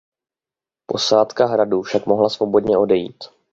Posádka hradu však mohla svobodně odejít.